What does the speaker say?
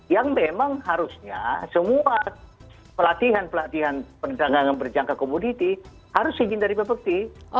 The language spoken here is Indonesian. yang memang harusnya semua pelatihan pelatihan perdagangan berjangka komoditi harus izin dari pepeti